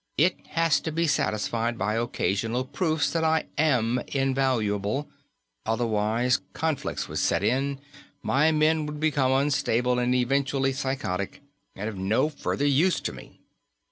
It has to be satisfied by occasional proofs that I am invaluable; otherwise conflicts would set in, my men would become unstable and eventually psychotic, and be of no further use to me.